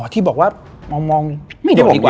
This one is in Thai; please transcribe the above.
อ๋อที่บอกว่ามองมองไม่ได้ดีกว่า